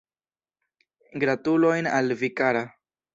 Gratulojn al vi kara.